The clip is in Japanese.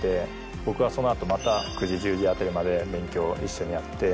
僕はその後また９時１０時あたりまで勉強を一緒にやって。